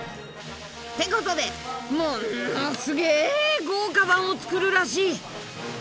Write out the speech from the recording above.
ってことでもんのすげぇ豪華版を作るらしい！